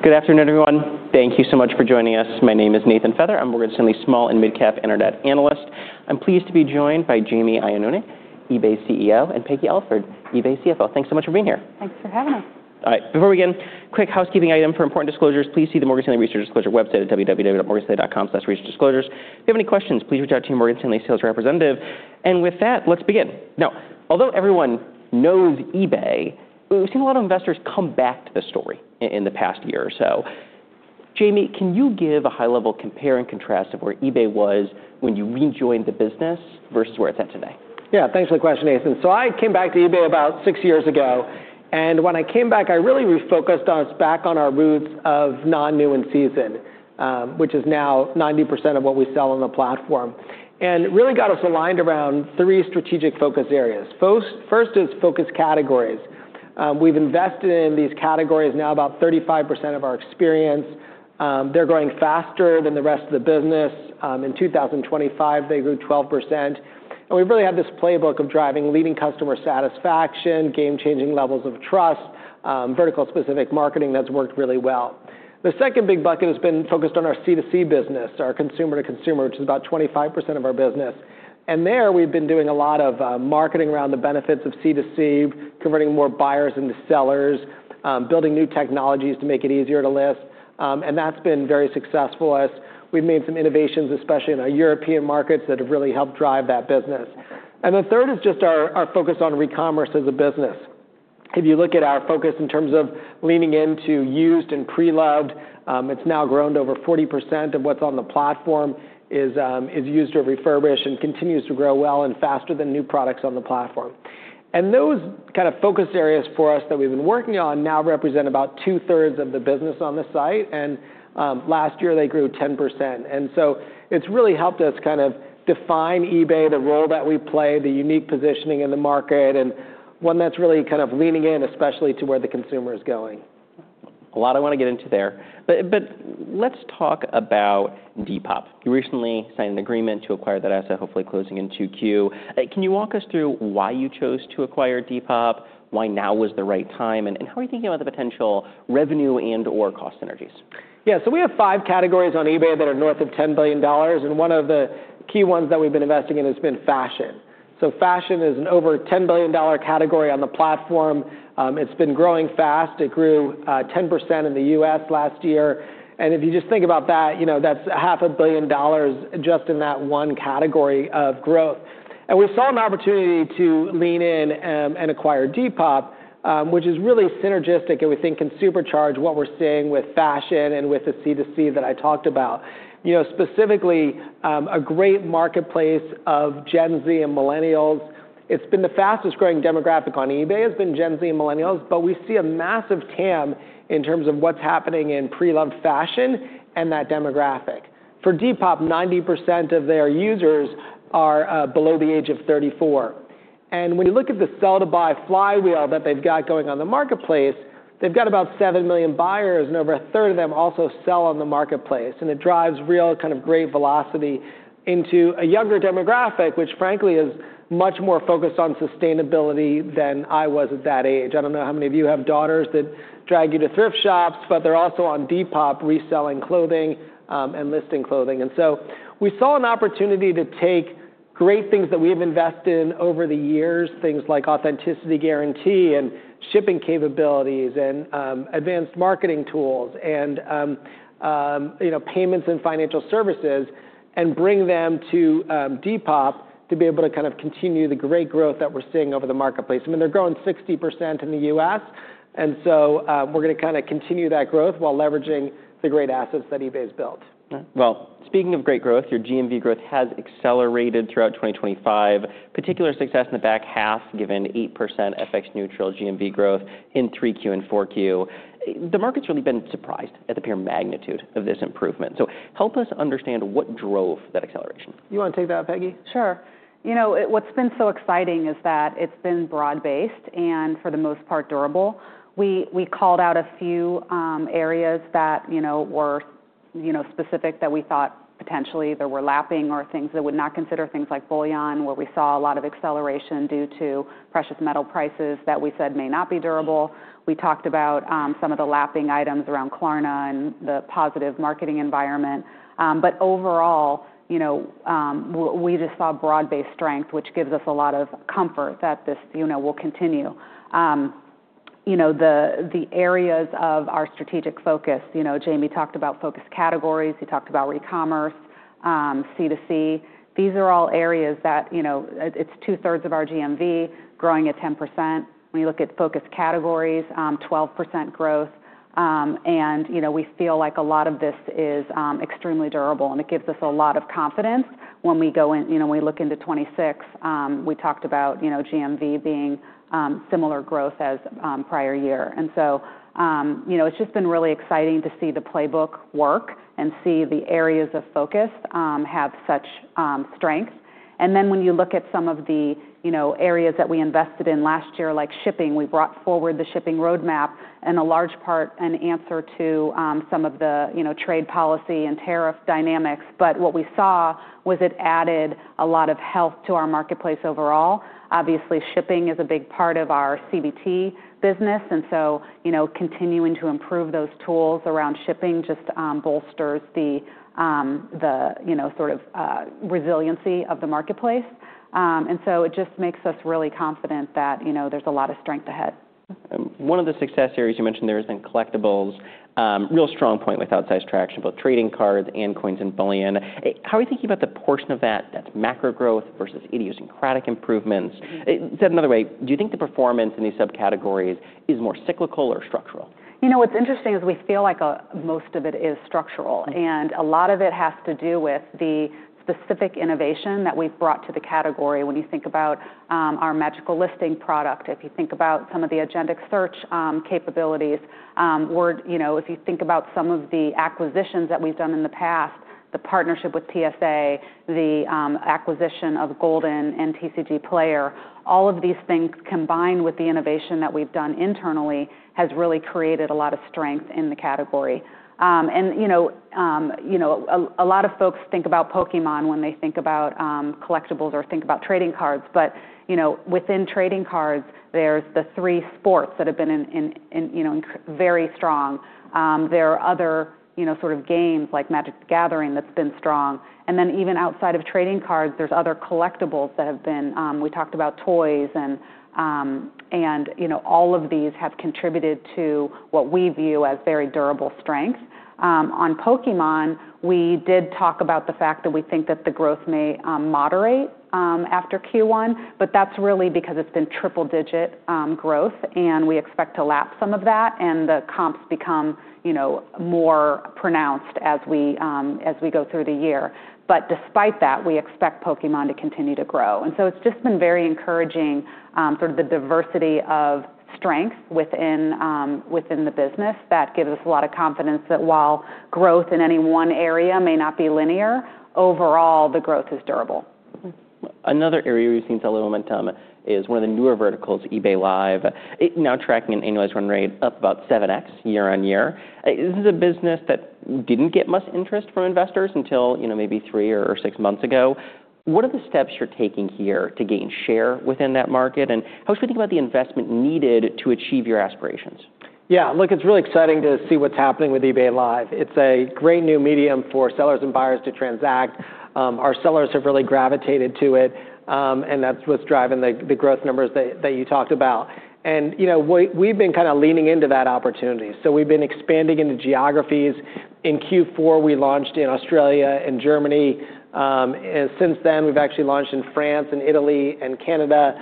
Good afternoon, everyone. Thank you so much for joining us. My name is Nathan Feather. I'm Morgan Stanley small and mid-cap Internet analyst. I'm pleased to be joined by Jamie Iannone, eBay CEO, and Peggy Alford, eBay CFO. Thanks so much for being here. Thanks for having us. Before we begin, quick housekeeping item for important disclosures. Please see the Morgan Stanley Research Disclosure website at www.morganstanley.com/researchdisclosures. If you have any questions, please reach out to your Morgan Stanley sales representative. With that, let's begin. Although everyone knows eBay, we've seen a lot of investors come back to the story in the past year or so. Jamie, can you give a high-level compare and contrast of where eBay was when you rejoined the business versus where it's at today? Yeah. Thanks for the question, Nathan. I came back to eBay about six years ago, when I came back, I really refocused us back on our roots of non-new, in-season, which is now 90% of what we sell on the platform. It really got us aligned around three strategic focus areas. First is focus categories. We've invested in these categories now about 35% of our experience. They're growing faster than the rest of the business. In 2025, they grew 12%. We've really had this playbook of driving leading customer satisfaction, game-changing levels of trust, vertical-specific marketing that's worked really well. The second big bucket has been focused on our C2C business, our consumer-to-consumer, which is about 25% of our business. There we've been doing a lot of marketing around the benefits of C2C, converting more buyers into sellers, building new technologies to make it easier to list. That's been very successful as we've made some innovations, especially in our European markets, that have really helped drive that business. The third is just our focus on recommerce as a business. If you look at our focus in terms of leaning into used and pre-loved, it's now grown to over 40% of what's on the platform is used or refurbished and continues to grow well and faster than new products on the platform. Those kind of focus areas for us that we've been working on now represent about 2/3 of the business on the site, and last year they grew 10%. It's really helped us kind of define eBay, the role that we play, the unique positioning in the market, and one that's really kind of leaning in, especially to where the consumer is going. A lot I wanna get into there, but let's talk about Depop. You recently signed an agreement to acquire that asset, hopefully closing in 2Q. Can you walk us through why you chose to acquire Depop, why now was the right time, and how are you thinking about the potential revenue and/or cost synergies? Yeah. We have five categories on eBay that are north of $10 billion, and one of the key ones that we've been investing in has been fashion. Fashion is an over $10 billion category on the platform. It's been growing fast. It grew, 10% in the U.S. last year. If you just think about that, you know, that's $500 million just in that one category of growth. We saw an opportunity to lean in and acquire Depop, which is really synergistic and we think can supercharge what we're seeing with fashion and with the C2C that I talked about. You know, specifically, a great marketplace of Gen Z and millennials. It's been the fastest-growing demographic on eBay. It's been Gen Z and millennials, but we see a massive TAM in terms of what's happening in pre-loved fashion and that demographic. For Depop, 90% of their users are below the age of 34. When you look at the sell-to-buy flywheel that they've got going on the marketplace, they've got about 7 million buyers, and over 1/3 of them also sell on the marketplace. It drives real kind of great velocity into a younger demographic, which frankly is much more focused on sustainability than I was at that age. I don't know how many of you have daughters that drag you to thrift shops, but they're also on Depop reselling clothing and listing clothing. We saw an opportunity to take great things that we have invested in over the years, things like Authenticity Guarantee and shipping capabilities and, advanced marketing tools and, you know, payments and financial services, and bring them to, Depop to be able to kind of continue the great growth that we're seeing over the marketplace. I mean, they're growing 60% in the U.S., we're gonna kinda continue that growth while leveraging the great assets that eBay's built. Speaking of great growth, your GMV growth has accelerated throughout 2025, particular success in the back half, given 8% FX neutral GMV growth in 3Q and 4Q. The market's really been surprised at the pure magnitude of this improvement. Help us understand what drove that acceleration. You wanna take that, Peggy? Sure. You know, what's been so exciting is that it's been broad-based and for the most part durable. We called out a few areas that, you know, were, you know, specific that we thought potentially there were lapping or things that would not consider things like bullion, where we saw a lot of acceleration due to precious metal prices that we said may not be durable. We talked about some of the lapping items around Klarna and the positive marketing environment. Overall, you know, we just saw broad-based strength, which gives us a lot of comfort that this, you know, will continue. You know, the areas of our strategic focus, you know, Jamie talked about focus categories. He talked about recommerce, C2C. These are all areas that, you know, it's 2/3 of our GMV growing at 10%. When you look at focus categories, 12% growth. And you know, we feel like a lot of this is extremely durable, and it gives us a lot of confidence when we look into 2026. We talked about, you know, GMV being similar growth as prior year. You know, it's just been really exciting to see the playbook work and see the areas of focus have such strength. When you look at some of the, you know, areas that we invested in last year, like shipping, we brought forward the shipping roadmap and a large part an answer to some of the, you know, trade policy and tariff dynamics. What we saw was it added a lot of health to our marketplace overall. Obviously, shipping is a big part of our CBT business, and so, you know, continuing to improve those tools around shipping just bolsters the, you know, sort of, resiliency of the marketplace. It just makes us really confident that, you know, there's a lot of strength ahead. One of the success areas you mentioned there is in collectibles, real strong point with outsized traction, both trading cards and coins and bullion. How are you thinking about the portion of that that's macro growth versus idiosyncratic improvements? Said another way, do you think the performance in these subcategories is more cyclical or structural? You know, what's interesting is we feel like most of it is structural, and a lot of it has to do with the specific innovation that we've brought to the category. When you think about our Magical Listing product, if you think about some of the agentic search capabilities, or, you know, if you think about some of the acquisitions that we've done in the past, the partnership with PSA, the acquisition of Goldin and TCGplayer, all of these things combined with the innovation that we've done internally has really created a lot of strength in the category. You know, a lot of folks think about Pokémon when they think about collectibles or think about trading cards. You know, within trading cards, there's the three sports that have been in, you know, very strong. There are other, you know, sort of games like Magic: The Gathering that's been strong. Even outside of trading cards, there's other collectibles that have been, we talked about toys and, you know, all of these have contributed to what we view as very durable strength. On Pokémon, we did talk about the fact that we think that the growth may moderate after Q1, but that's really because it's been triple-digit growth, and we expect to lap some of that and the comps become, you know, more pronounced as we as we go through the year. Despite that, we expect Pokémon to continue to grow. It's just been very encouraging, for the diversity of strength within the business that gives us a lot of confidence that while growth in any one area may not be linear, overall, the growth is durable. Another area we've seen solid momentum is one of the newer verticals, eBay Live. It now tracking an annualized run rate up about 7x year-over-year. This is a business that didn't get much interest from investors until, you know, maybe three or six months ago. What are the steps you're taking here to gain share within that market? How should we think about the investment needed to achieve your aspirations? Yeah, look, it's really exciting to see what's happening with eBay Live. It's a great new medium for sellers and buyers to transact. Our sellers have really gravitated to it, and that's what's driving the growth numbers that you talked about. You know, we've been kind of leaning into that opportunity. We've been expanding into geographies. In Q4, we launched in Australia and Germany, since then, we've actually launched in France and Italy and Canada.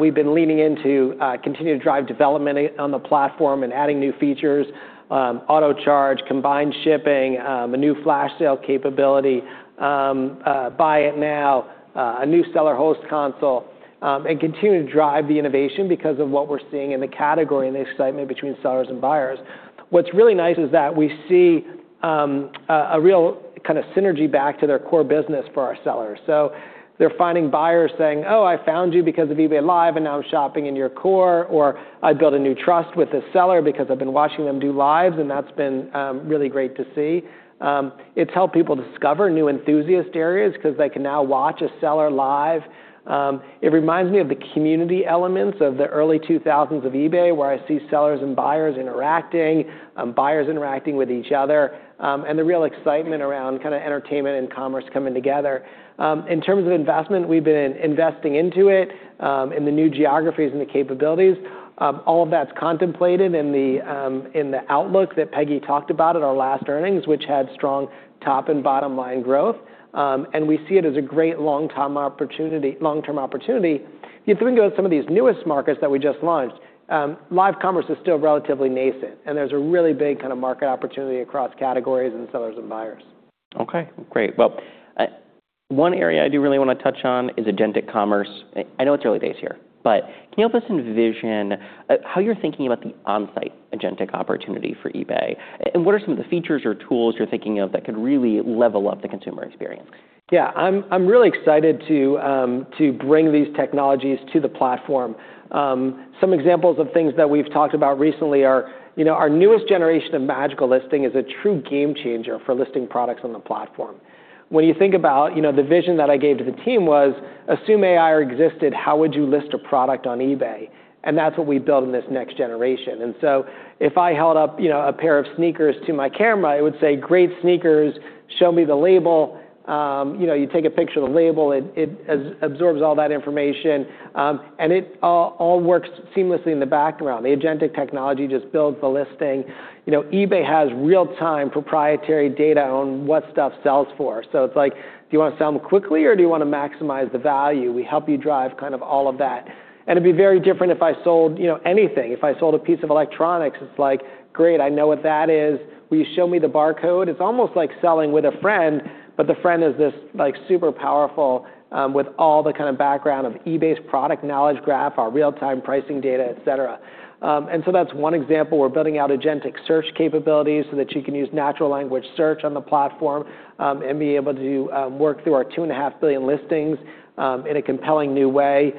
We've been leaning into continue to drive development on the platform and adding new features, auto charge, combined shipping, a new flash sale capability, Buy It Now, a new seller host console, and continue to drive the innovation because of what we're seeing in the category and the excitement between sellers and buyers. What's really nice is that we see a real kind of synergy back to their core business for our sellers. They're finding buyers saying, "Oh, I found you because of eBay Live, and now I'm shopping in your core," or, "I built a new trust with this seller because I've been watching them do lives," and that's been really great to see. It's helped people discover new enthusiast areas because they can now watch a seller live. It reminds me of the community elements of the early 2000s of eBay, where I see sellers and buyers interacting, buyers interacting with each other, and the real excitement around kind of entertainment and commerce coming together. In terms of investment, we've been investing into it in the new geographies and the capabilities. All of that's contemplated in the outlook that Peggy talked about at our last earnings, which had strong top and bottom line growth. We see it as a great long-term opportunity. If you think about some of these newest markets that we just launched, live commerce is still relatively nascent, and there's a really big kind of market opportunity across categories and sellers and buyers. Okay, great. Well, one area I do really wanna touch on is agentic commerce. I know it's early days here, but can you help us envision how you're thinking about the on-site agentic opportunity for eBay? What are some of the features or tools you're thinking of that could really level up the consumer experience? Yeah. I'm really excited to bring these technologies to the platform. Some examples of things that we've talked about recently are, you know, our newest generation of Magical Listing is a true game changer for listing products on the platform. When you think about, you know, the vision that I gave to the team was, assume AI existed, how would you list a product on eBay? That's what we built in this next generation. If I held up, you know, a pair of sneakers to my camera, it would say, "Great sneakers. Show me the label." You know, you take a picture of the label, it absorbs all that information, it all works seamlessly in the background. The agentic technology just builds the listing. You know, eBay has real-time proprietary data on what stuff sells for. It's like, do you wanna sell them quickly, or do you wanna maximize the value? We help you drive kind of all of that. It'd be very different if I sold, you know, anything. If I sold a piece of electronics, it's like, "Great, I know what that is. Will you show me the barcode?" It's almost like selling with a friend, but the friend is this, like, super powerful, with all the kind of background of eBay's Product Knowledge Graph, our real-time pricing data, et cetera. That's one example. We're building out agentic search capabilities so that you can use natural language search on the platform, and be able to work through our 2.5 billion listings, in a compelling new way,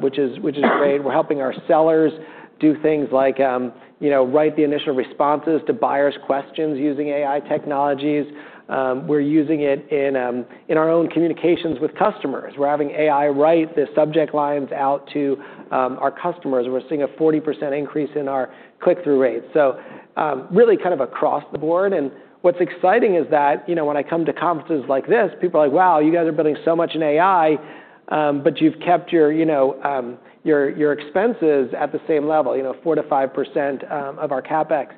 which is great. We're helping our sellers do things like, you know, write the initial responses to buyers' questions using AI technologies. We're using it in our own communications with customers. We're having AI write the subject lines out to our customers. We're seeing a 40% increase in our click-through rates. Really kind of across the board. What's exciting is that, you know, when I come to conferences like this, people are like, "Wow, you guys are building so much in AI." But you've kept your, you know, your expenses at the same level, you know, 4%-5% of our CapEx.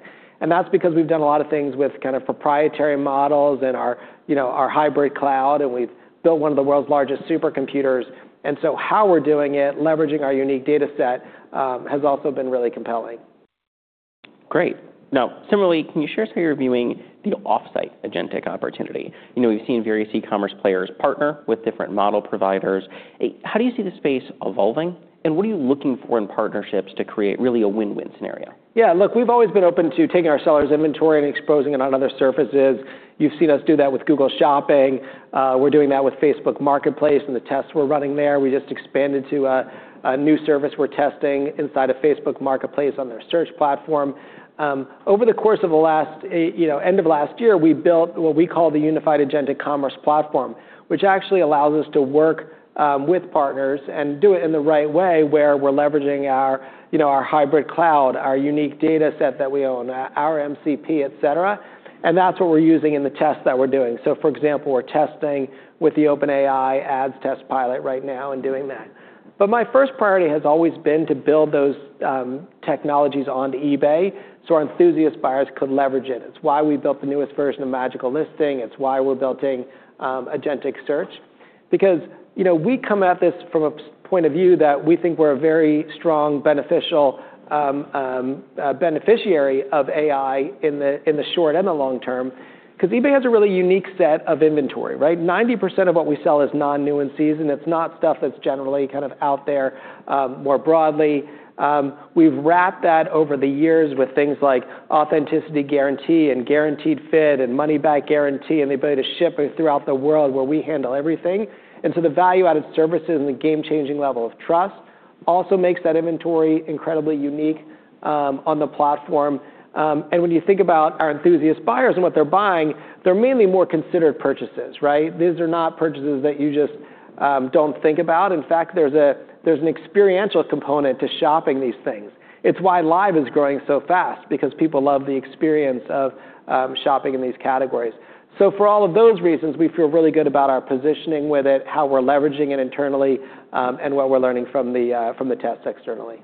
That's because we've done a lot of things with kind of proprietary models and our, you know, our hybrid cloud, and we've built one of the world's largest supercomputers. How we're doing it, leveraging our unique data set, has also been really compelling. Great. Similarly, can you share us how you're viewing the off-site agentic opportunity? You know, we've seen various e-commerce players partner with different model providers. How do you see the space evolving, and what are you looking for in partnerships to create really a win-win scenario? Yeah, look, we've always been open to taking our sellers' inventory and exposing it on other surfaces. You've seen us do that with Google Shopping. We're doing that with Facebook Marketplace and the tests we're running there. We just expanded to a new service we're testing inside of Facebook Marketplace on their search platform. End of last year, we built what we call the Unified Agentic Commerce Platform, which actually allows us to work with partners and do it in the right way, where we're leveraging our, you know, our hybrid cloud, our unique data set that we own, our MCP, et cetera. That's what we're using in the tests that we're doing. For example, we're testing with the OpenAI ads test pilot right now and doing that. My first priority has always been to build those technologies onto eBay so our enthusiast buyers could leverage it. It's why we built the newest version of Magical Listing. It's why we're building agentic search because, you know, we come at this from a point of view that we think we're a very strong, beneficial beneficiary of AI in the, in the short and the long term 'cause eBay has a really unique set of inventory, right? 90% of what we sell is non-new and seasoned. It's not stuff that's generally kind of out there more broadly. We've wrapped that over the years with things like Authenticity Guarantee and Guaranteed Fit and Money Back Guarantee and the ability to ship it throughout the world where we handle everything. The value-added services and the game-changing level of trust also makes that inventory incredibly unique on the platform. When you think about our enthusiast buyers and what they're buying, they're mainly more considered purchases, right? These are not purchases that you just don't think about. In fact, there's a, there's an experiential component to shopping these things. It's why Live is growing so fast, because people love the experience of shopping in these categories. For all of those reasons, we feel really good about our positioning with it, how we're leveraging it internally, and what we're learning from the tests externally.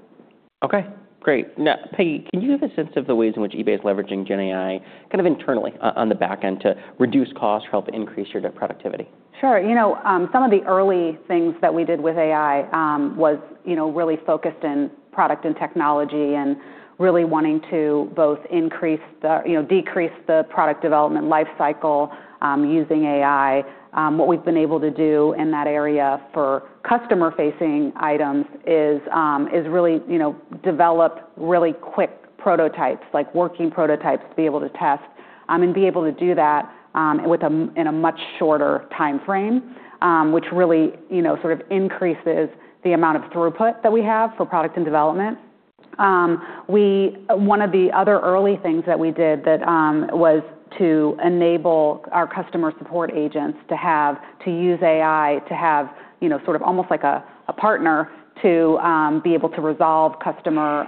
Okay, great. Peggy, can you give a sense of the ways in which eBay is leveraging GenAI kind of internally on the back end to reduce costs or help increase your dev productivity? Sure. You know, some of the early things that we did with AI, was, you know, really focused in product and technology and really wanting to both you know, decrease the product development life cycle, using AI. What we've been able to do in that area for customer-facing items is really, you know, develop really quick prototypes, like working prototypes to be able to test, and be able to do that, with a much shorter timeframe, which really, you know, sort of increases the amount of throughput that we have for product and development. One of the other early things that we did that was to enable our customer support agents to use AI, you know, sort of almost like a partner to be able to resolve customer,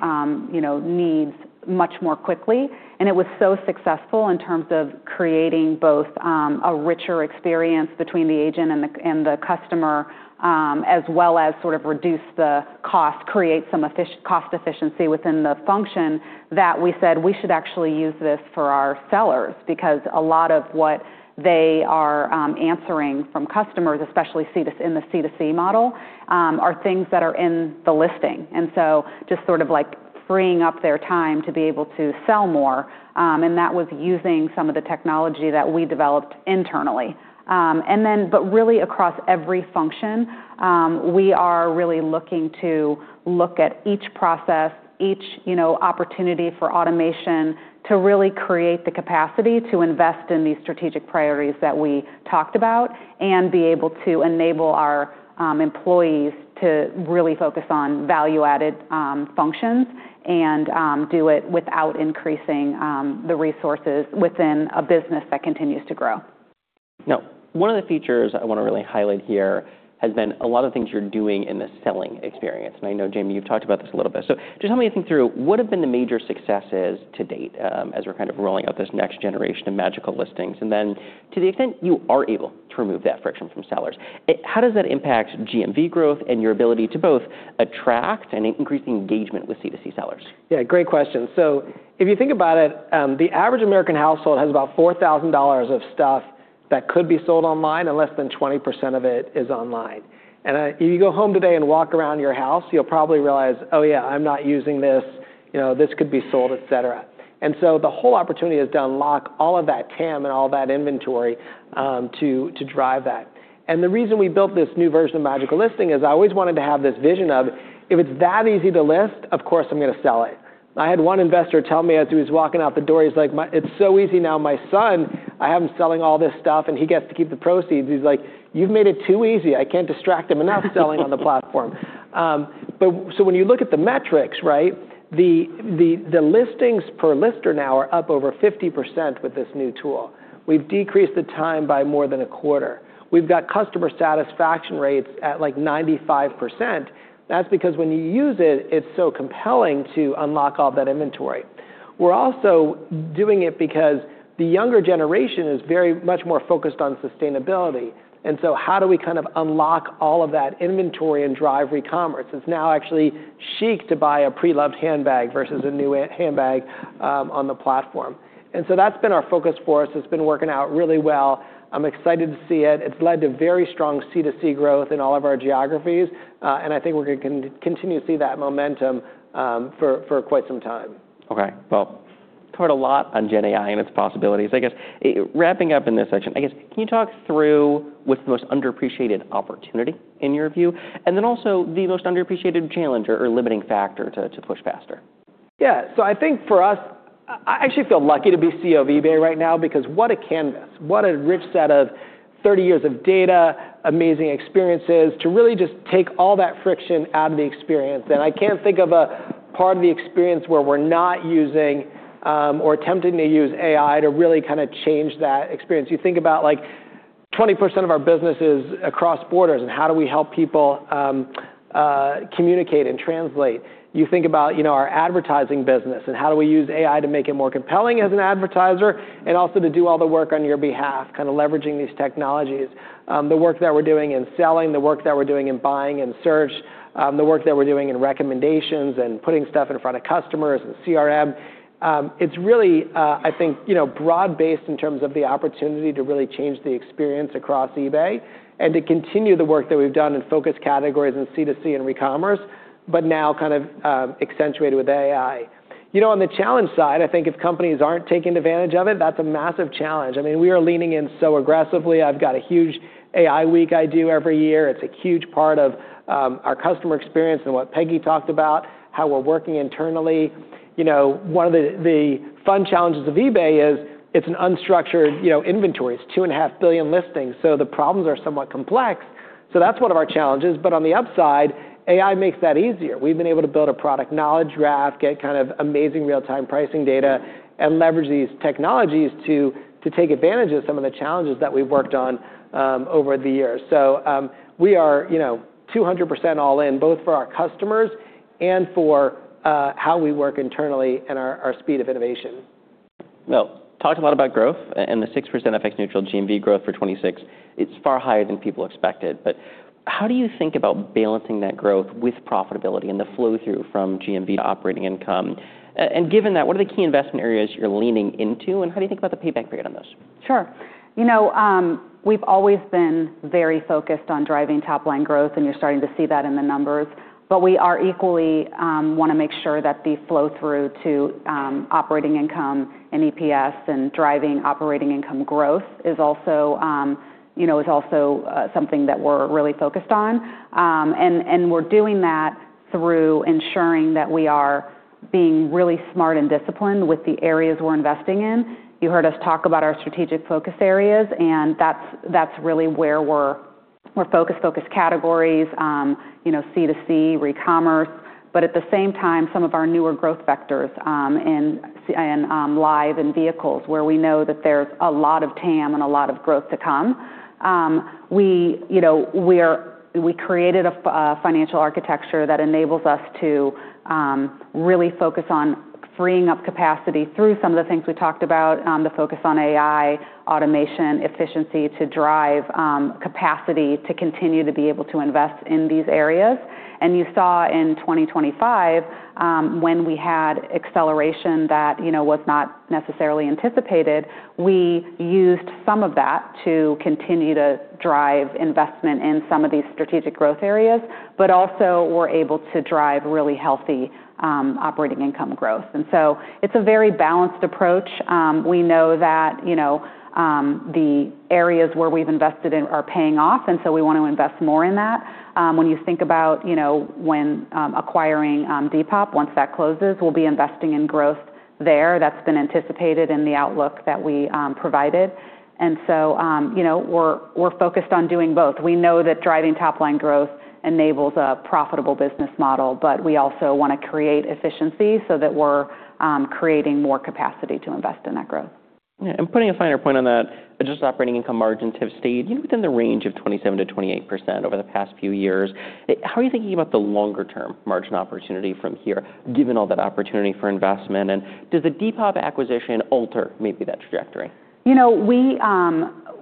you know, needs much more quickly. It was so successful in terms of creating both a richer experience between the agent and the customer, as well as sort of reduce the cost, create some cost efficiency within the function that we said we should actually use this for our sellers because a lot of what they are answering from customers, especially in the C2C model, are things that are in the listing. Just sort of like freeing up their time to be able to sell more, and that was using some of the technology that we developed internally. Really across every function, we are really looking to look at each process, each, you know, opportunity for automation to really create the capacity to invest in these strategic priorities that we talked about and be able to enable our employees to really focus on value-added functions and do it without increasing the resources within a business that continues to grow. One of the features I wanna really highlight here has been a lot of things you're doing in the selling experience, and I know, Jamie, you've talked about this a little bit. Just help me think through what have been the major successes to date, as we're kind of rolling out this next generation of Magical Listings, and then to the extent you are able to remove that friction from sellers, how does that impact GMV growth and your ability to both attract and increase engagement with C2C sellers? Yeah, great question. If you think about it, the average American household has about $4,000 of stuff that could be sold online, and less than 20% of it is online. If you go home today and walk around your house, you'll probably realize, "Oh yeah, I'm not using this," you know, "This could be sold," et cetera. The whole opportunity is to unlock all of that TAM and all that inventory, to drive that. The reason we built this new version of Magical Listing is I always wanted to have this vision of if it's that easy to list, of course I'm gonna sell it. I had one investor tell me as he was walking out the door, he's like, "It's so easy now. My son, I have him selling all this stuff, and he gets to keep the proceeds." He's like, "You've made it too easy. I can't distract him enough selling on the platform." When you look at the metrics, right, the, the listings per lister now are up over 50% with this new tool. We've decreased the time by more than a quarter. We've got customer satisfaction rates at like 95%. That's because when you use it's so compelling to unlock all that inventory. We're also doing it because the younger generation is very much more focused on sustainability, and so how do we kind of unlock all of that inventory and drive recommerce? It's now actually chic to buy a pre-loved handbag versus a new handbag on the platform. That's been our focus for us. It's been working out really well. I'm excited to see it. It's led to very strong C2C growth in all of our geographies. I think we're gonna continue to see that momentum for quite some time. Okay. Well, we've covered a lot on GenAI and its possibilities. I guess, wrapping up in this section, I guess, can you talk through what's the most underappreciated opportunity in your view, and then also the most underappreciated challenge or limiting factor to push faster? Yeah. I actually feel lucky to be CEO of eBay right now because what a canvas, what a rich set of 30 years of data, amazing experiences, to really just take all that friction out of the experience. I can't think of a part of the experience where we're not using, or attempting to use AI to really kind of change that experience. You think about, like, 20% of our business is across borders, how do we help people communicate and translate? You think about, you know, our advertising business how do we use AI to make it more compelling as an advertiser also to do all the work on your behalf, kind of leveraging these technologies. The work that we're doing in selling, the work that we're doing in buying and search, the work that we're doing in recommendations and putting stuff in front of customers and CRM. It's really, I think, you know, broad-based in terms of the opportunity to really change the experience across eBay and to continue the work that we've done in focus categories and C2C and recommerce, but now kind of, accentuated with AI. You know, on the challenge side, I think if companies aren't taking advantage of it, that's a massive challenge. I mean, we are leaning in so aggressively. I've got a huge AI week I do every year. It's a huge part of our customer experience and what Peggy talked about, how we're working internally. You know, one of the fun challenges of eBay is it's an unstructured, you know, inventory. It's two and a half billion listings, the problems are somewhat complex, so that's one of our challenges. On the upside, AI makes that easier. We've been able to build a Product Knowledge Graph, get kind of amazing real-time pricing data, and leverage these technologies to take advantage of some of the challenges that we've worked on over the years. We are, you know, 200% all in, both for our customers and for how we work internally and our speed of innovation. Well, talked a lot about growth and the 6% FX neutral GMV growth for 2026. It's far higher than people expected. How do you think about balancing that growth with profitability and the flow-through from GMV to operating income? Given that, what are the key investment areas you're leaning into, and how do you think about the payback period on those? Sure. You know, we've always been very focused on driving top-line growth, and you're starting to see that in the numbers. We are equally, wanna make sure that the flow-through to operating income and EPS and driving operating income growth is also, you know, is also something that we're really focused on. We're doing that through ensuring that we are being really smart and disciplined with the areas we're investing in. You heard us talk about our strategic focus areas, and that's really where we're focused. Focus categories, you know, C2C, recommerce, but at the same time, some of our newer growth vectors, in Live and vehicles, where we know that there's a lot of TAM and a lot of growth to come. We, you know, we created a financial architecture that enables us to really focus on freeing up capacity through some of the things we talked about, the focus on AI, automation, efficiency to drive capacity to continue to be able to invest in these areas. You saw in 2025, when we had acceleration that, you know, was not necessarily anticipated, we used some of that to continue to drive investment in some of these strategic growth areas, but also were able to drive really healthy operating income growth. It's a very balanced approach. We know that, you know, the areas where we've invested in are paying off, and so we want to invest more in that. When you think about, you know, when acquiring Depop, once that closes, we'll be investing in growth there. That's been anticipated in the outlook that we provided. You know, we're focused on doing both. We know that driving top-line growth enables a profitable business model, but we also wanna create efficiency so that we're creating more capacity to invest in that growth. Yeah. Putting a finer point on that, adjusted operating income margins have stayed, you know, within the range of 27%-28% over the past few years. How are you thinking about the longer-term margin opportunity from here, given all that opportunity for investment? Does the Depop acquisition alter maybe that trajectory? You know,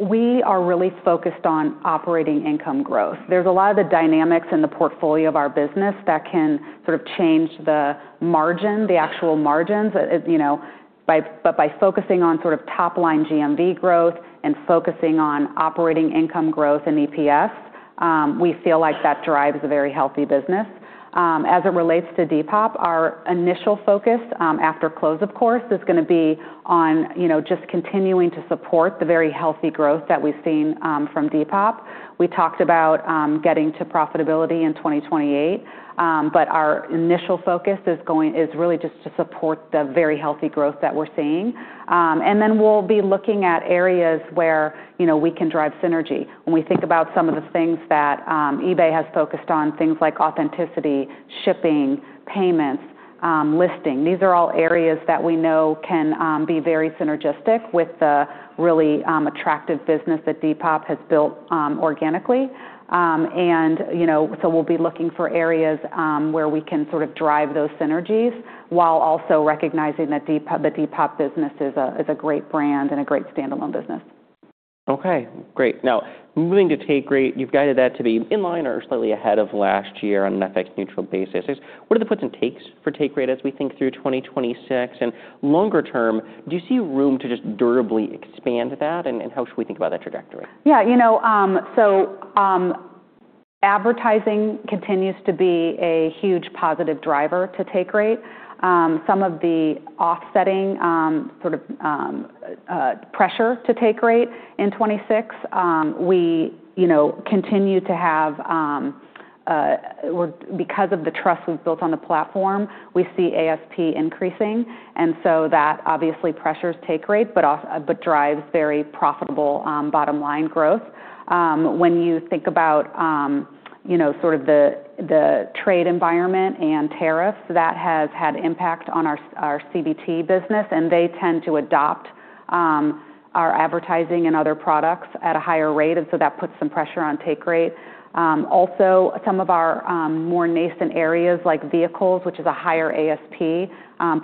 we are really focused on operating income growth. There's a lot of the dynamics in the portfolio of our business that can sort of change the margin, the actual margins, you know, but by focusing on sort of top-line GMV growth and focusing on operating income growth and EPS, we feel like that drives a very healthy business. As it relates to Depop, our initial focus after close, of course, is gonna be on, you know, just continuing to support the very healthy growth that we've seen from Depop. We talked about getting to profitability in 2028, but our initial focus is really just to support the very healthy growth that we're seeing. Then we'll be looking at areas where, you know, we can drive synergy. When we think about some of the things that eBay has focused on, things like authenticity, shipping, payments, listing, these are all areas that we know can be very synergistic with the really attractive business that Depop has built organically. You know, so we'll be looking for areas where we can sort of drive those synergies while also recognizing that the Depop business is a, is a great brand and a great standalone business. Okay, great. Now moving to take rate, you've guided that to be in line or slightly ahead of last year on an FX neutral basis. What are the puts and takes for take rate as we think through 2026? Longer term, do you see room to just durably expand that, and how should we think about that trajectory? You know, advertising continues to be a huge positive driver to take rate. Some of the offsetting, sort of, pressure to take rate in 2026, we, you know, continue to have because of the trust we've built on the platform, we see ASP increasing, and so that obviously pressures take rate, but drives very profitable, bottom line growth. When you think about, you know, sort of the trade environment and tariffs, that has had impact on our CBT business. They tend to adopt our advertising and other products at a higher rate, and so that puts some pressure on take rate. Also some of our more nascent areas like vehicles, which is a higher ASP,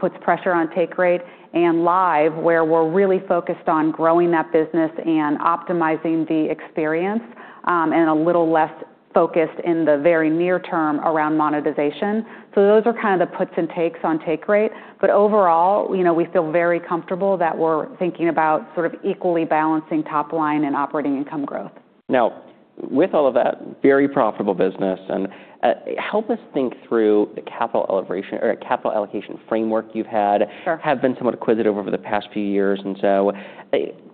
puts pressure on take rate and live, where we're really focused on growing that business and optimizing the experience, and a little less focused in the very near term around monetization. Those are kind of the puts and takes on take rate. Overall, you know, we feel very comfortable that we're thinking about sort of equally balancing top line and operating income growth. With all of that very profitable business and, help us think through the capital allocation framework you've had? Sure. Have been somewhat acquisitive over the past few years, and so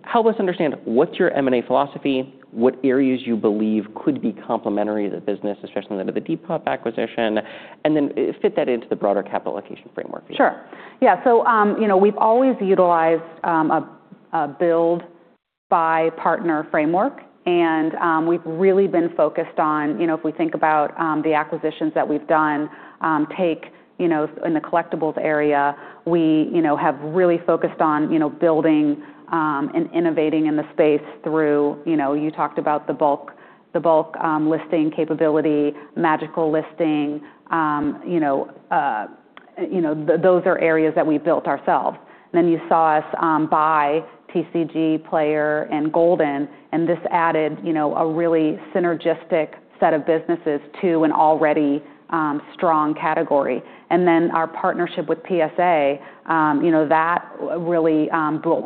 help us understand what's your M&A philosophy, what areas you believe could be complementary to the business, especially with the Depop acquisition, and then fit that into the broader capital allocation framework? Sure. Yeah. You know, we've always utilized a build by partner framework, and we've really been focused on, you know, if we think about the acquisitions that we've done, take, you know, in the collectibles area, we, you know, have really focused on, you know, building and innovating in the space through, you know, you talked about the bulk listing capability, Magical Listing, you know, those are areas that we built ourselves. Then you saw us buy TCGplayer and Goldin, and this added, you know, a really synergistic set of businesses to an already strong category. Our partnership with PSA, you know, that really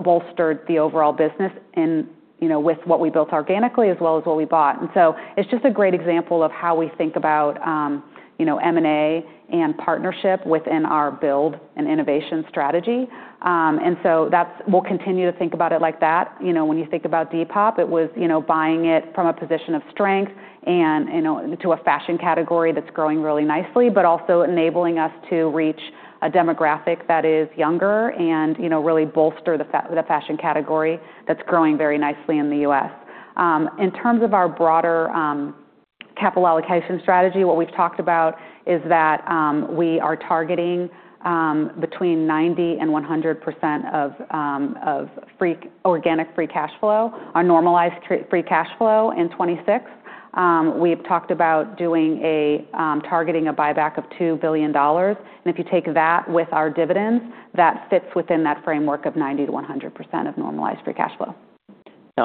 bolstered the overall business and, you know, with what we built organically as well as what we bought. It's just a great example of how we think about, you know, M&A and partnership within our build and innovation strategy. We'll continue to think about it like that. You know, when you think about Depop, it was, you know, buying it from a position of strength and, you know, to a fashion category that's growing really nicely, but also enabling us to reach a demographic that is younger and, you know, really bolster the fashion category that's growing very nicely in the U.S. In terms of our broader, capital allocation strategy, what we've talked about is that, we are targeting, between 90% and 100% of, organic free cash flow, our normalized free cash flow in 2026. We've talked about doing a targeting a buyback of $2 billion, and if you take that with our dividends, that fits within that framework of 90%-100% of normalized free cash flow.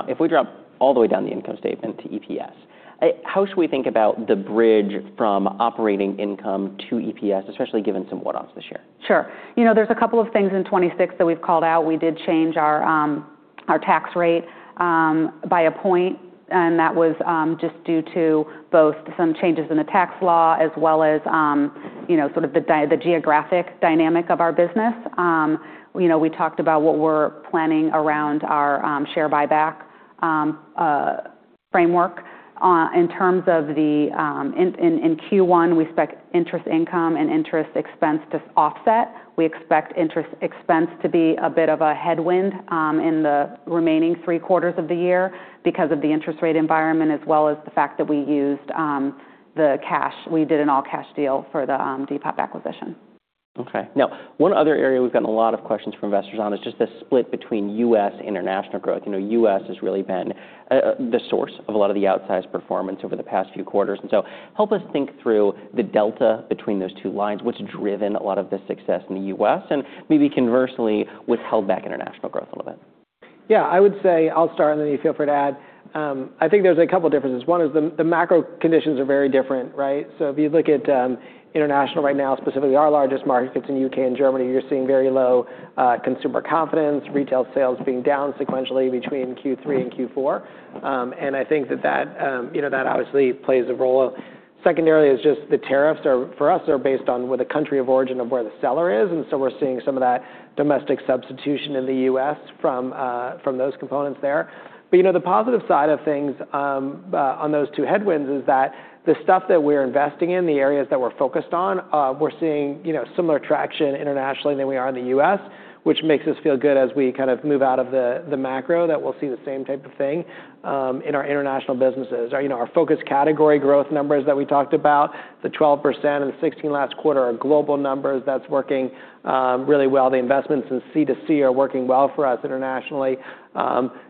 If we drop all the way down the income statement to EPS, how should we think about the bridge from operating income to EPS, especially given some one-offs this year? Sure. You know, there's a couple of things in 2026 that we've called out. We did change our tax rate by a point, and that was just due to both some changes in the tax law as well as, you know, sort of the geographic dynamic of our business. You know, we talked about what we're planning around our share buyback framework. In terms of the in Q1, we expect interest income and interest expense to offset. We expect interest expense to be a bit of a headwind in the remaining three quarters of the year because of the interest rate environment as well as the fact that we used the cash. We did an all-cash deal for the Depop acquisition. Okay. Now one other area we've gotten a lot of questions from investors on is just the split between U.S. international growth. You know, U.S. has really been the source of a lot of the outsized performance over the past few quarters. Help us think through the delta between those two lines, what's driven a lot of the success in the U.S. and maybe conversely, what's held back international growth a little bit. Yeah, I would say I'll start and then you feel free to add. I think there's a couple differences. One is the macro conditions are very different, right? If you look at international right now, specifically our largest markets, it's in U.K. and Germany, you're seeing very low consumer confidence, retail sales being down sequentially between Q3 and Q4. I think that that, you know, that obviously plays a role. Secondarily is just the tariffs are, for us, are based on where the country of origin of where the seller is, we're seeing some of that domestic substitution in the U.S. from those components there. You know, the positive side of things, on those two headwinds is that the stuff that we're investing in, the areas that we're focused on, we're seeing, you know, similar traction internationally than we are in the U.S., which makes us feel good as we kind of move out of the macro that we'll see the same type of thing, in our international businesses. You know, our focus category growth numbers that we talked about, the 12% and 16% last quarter are global numbers. That's working really well. The investments in C2C are working well for us internationally.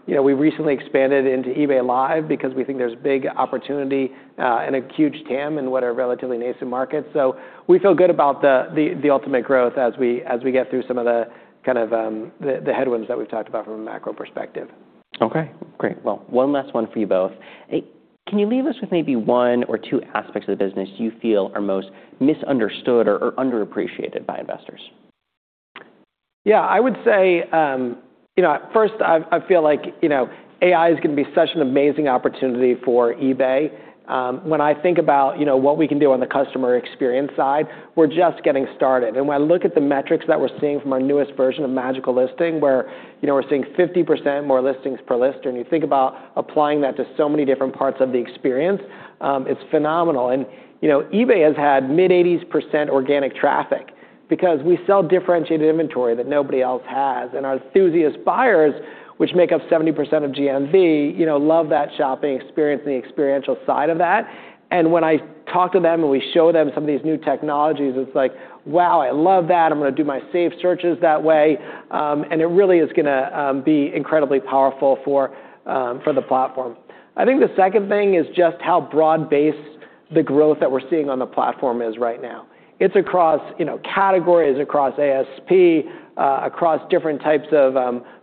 You know, we recently expanded into eBay Live because we think there's big opportunity and a huge TAM in what are relatively nascent markets. We feel good about the ultimate growth as we get through some of the kind of, the headwinds that we've talked about from a macro perspective. Okay, great. Well, one last one for you both. Can you leave us with maybe one or two aspects of the business you feel are most misunderstood or underappreciated by investors? Yeah. I would say, you know, at first I feel like, you know, AI is gonna be such an amazing opportunity for eBay. When I think about, you know, what we can do on the customer experience side, we're just getting started. When I look at the metrics that we're seeing from our newest version of Magical Listing, where, you know, we're seeing 50% more listings per lister, and you think about applying that to so many different parts of the experience, it's phenomenal. You know, eBay has had mid-80s% organic traffic because we sell differentiated inventory that nobody else has, and our enthusiast buyers, which make up 70% of GMV, you know, love that shopping experience and the experiential side of that. When I talk to them and we show them some of these new technologies, it's like, "Wow, I love that. I'm gonna do my saved searches that way." It really is gonna be incredibly powerful for for the platform. I think the second thing is just how broad-based the growth that we're seeing on the platform is right now. It's across, you know, categories, across ASP, across different types of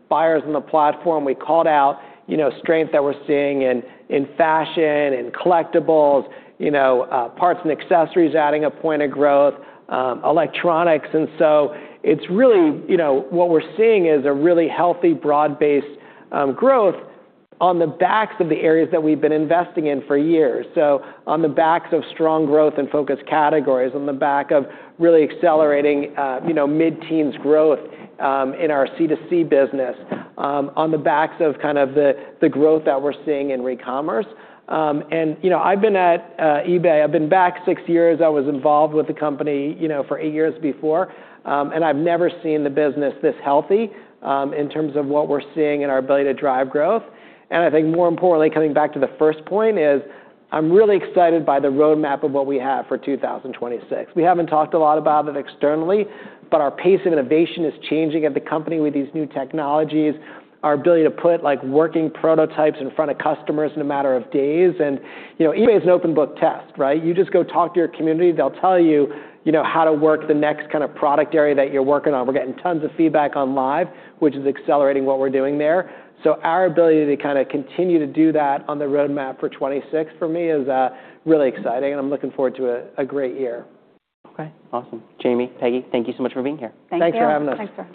buyers on the platform. We called out, you know, strength that we're seeing in fashion, in collectibles, you know, parts and accessories adding a point of growth, electronics. So it's really, you know, what we're seeing is a really healthy, broad-based growth on the backs of the areas that we've been investing in for years. On the backs of strong growth and focused categories, on the back of really accelerating, you know, mid-teens growth in our C2C business, on the backs of kind of the growth that we're seeing in recommerce. You know, I've been at eBay, I've been back six years. I was involved with the company, you know, for eight years before, and I've never seen the business this healthy in terms of what we're seeing in our ability to drive growth. I think more importantly, coming back to the first point, is I'm really excited by the roadmap of what we have for 2026. We haven't talked a lot about it externally, but our pace of innovation is changing at the company with these new technologies, our ability to put, like, working prototypes in front of customers in a matter of days. You know, eBay's an open book test, right? You just go talk to your community. They'll tell you know, how to work the next kind of product area that you're working on. We're getting tons of feedback on Live, which is accelerating what we're doing there. Our ability to kind of continue to do that on the roadmap for 2026 for me is really exciting, and I'm looking forward to a great year. Okay. Awesome. Jamie, Peggy, thank you so much for being here. Thank you. Thanks for having us.